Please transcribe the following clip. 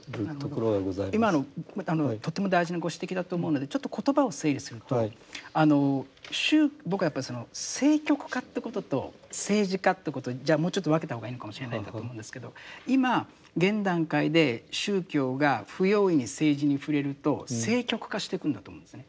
今のとても大事なご指摘だと思うのでちょっと言葉を整理すると僕はやっぱりその政局化ということと政治化ということをもうちょっと分けた方がいいのかもしれないんだと思うんですけど今現段階で宗教が不用意に政治に触れると政局化してくんだと思うんですね。